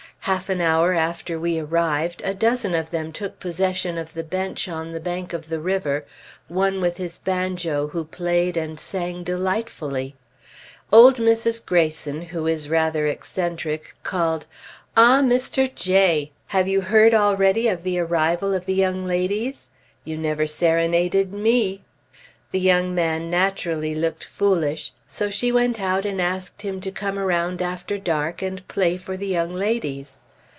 Half an hour after we arrived, a dozen of them took possession of the bench on the bank of the river, one with his banjo who played and sang delightfully. Old Mrs. Greyson, who is rather eccentric, called, "Ah, Mr. J ! Have you heard already of the arrival of the young ladies? You never serenaded me!" The young man naturally looked foolish; so she went out and asked him to come around after dark and play for the young ladies.